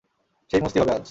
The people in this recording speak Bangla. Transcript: সেই মস্তি হবে আজ।